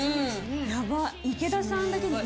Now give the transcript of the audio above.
やばっ！